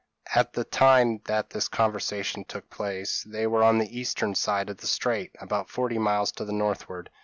p> At the time that this conversation took place, they were on the eastern side of the strait, about forty miles to the northward.